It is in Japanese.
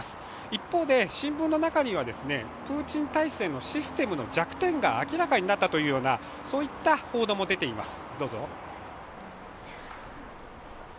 一方で、新聞の中にはプーチン体制のシステムの弱点が明らかになったというようなそういった報道も出ています。